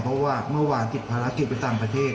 เพราะว่าเมื่อวานติดภารกิจไปต่างประเทศ